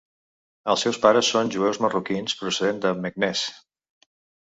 Els seus pares són jueus marroquins, procedents de Meknès.